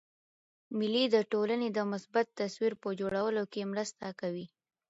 مېلې د ټولني د مثبت تصویر په جوړولو کښي مرسته کوي.